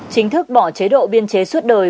chính thức bỏ chế độ biên chế suốt đời